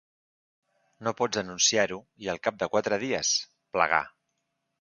No pots anunciar-ho i al cap de quatre dies, plegar.